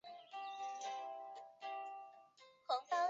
王尧臣人。